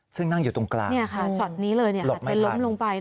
ซึ่งนั่งอยู่ตรงกลางหลบไม่ทัน